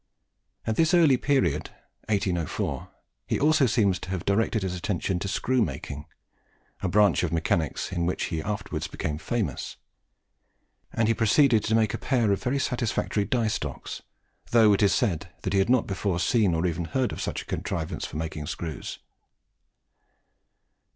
At this early period (1804) he also seems to have directed his attention to screw making a branch of mechanics in which he afterwards became famous; and he proceeded to make a pair of very satisfactory die stocks, though it is said that he had not before seen or even heard of such a contrivance for making screws.